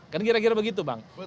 kan kira kira begitu bang